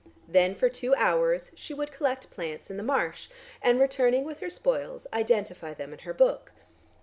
Then for two hours she would collect plants in the marsh, and, returning with her spoils, identify them in her book.